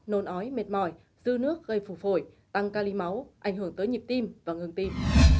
nôn ói mệt mỏi dư nước gây phù phổi tăng ca ly máu ảnh hưởng tới nhịp tim và ngừng tim